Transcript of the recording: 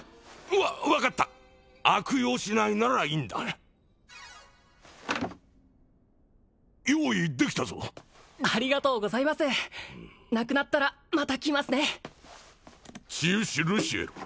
わ分かった悪用しないならいいんだ用意できたぞありがとうございますなくなったらまた来ますね治癒士ルシエル